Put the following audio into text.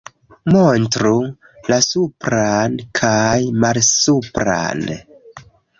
Montru la supran kaj malsupran